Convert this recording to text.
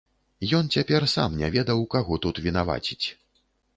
Ён цяпер сам не ведаў, каго тут вінаваціць.